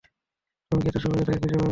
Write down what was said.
তুমি কি এত সহজে তাকে খুঁজে পাবে?